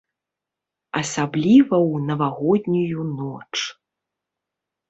Асабліва ў навагоднюю ноч.